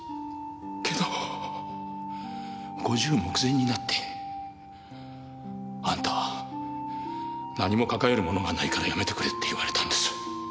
けど５０目前になって「あんたは何も抱えるものがないから辞めてくれ」って言われたんです。